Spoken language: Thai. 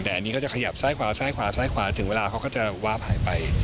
แต่อันนี้ก็จะขยับซ้ายขวาซ้ายขวาซ้ายขวาถึงเวลาเขาก็จะวาบหายไป